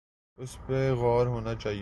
اس پہ غور ہونا چاہیے۔